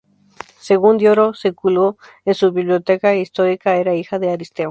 Según Diodoro Sículo en su "Bibliotheca Historica", era hija de Aristeo.